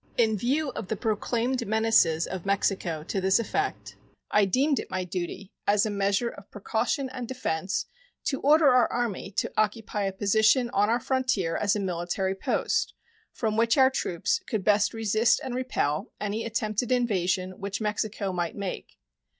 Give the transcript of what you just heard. In view of the proclaimed menaces of Mexico to this effect, I deemed it my duty, as a measure of precaution and defense, to order our Army to occupy a position on our frontier as a military post, from which our troops could best resist and repel any attempted invasion which Mexico might make.